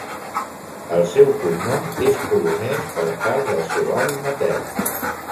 El seu cognom és polonès per part del seu avi matern.